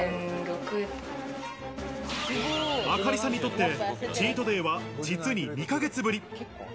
アカリさんにとってチートデイは実に２ヶ月ぶり。